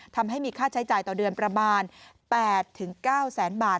ทำให้มีค่าใช้จ่ายต่อเดือนประมาณ๘๙แสนบาท